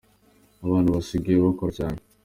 Abantu basigaye bakora cyane